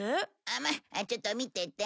まあちょっと見てて。